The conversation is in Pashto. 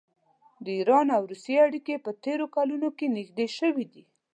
د ایران او روسیې اړیکې په تېرو کلونو کې نږدې شوي دي.